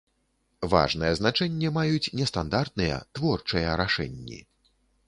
Важнае значэнне маюць нестандартныя, творчыя рашэнні.